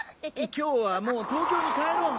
今日はもう東京に帰ろう。